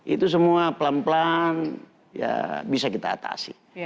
itu semua pelan pelan ya bisa kita atasi